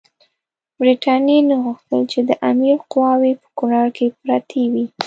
برټانیې نه غوښتل چې د امیر قواوې په کونړ کې پرتې وي.